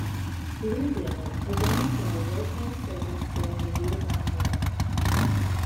"Bluegill" again saw wartime service during the Vietnam War.